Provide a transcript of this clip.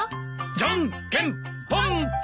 じゃんけんぽん！